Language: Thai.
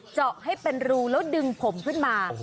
เจาะให้เป็นรูแล้วดึงผมขึ้นมา